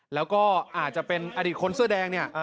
แล้วก็อาจจะเป็นอดีตคนเสื้อแดงเนี่ย